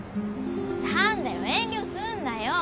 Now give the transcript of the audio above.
何だよ遠慮すんなよ。